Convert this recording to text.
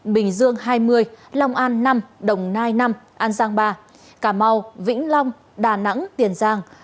bình dương hai mươi long an năm đồng nai năm an giang ba cà mau vĩnh long đà nẵng tiền giang